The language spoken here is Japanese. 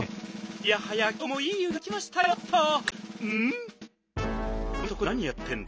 いやはやきょうもいい湯がわきましたよっと。